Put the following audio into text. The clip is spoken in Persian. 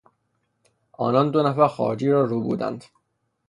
آنان دو نفر خارجی را ربودند.